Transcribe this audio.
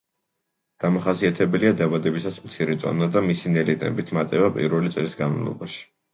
დამახასიათებელია დაბადებისას მცირე წონა და მისი ნელი ტემპით მატება პირველი წლის განმავლობაში.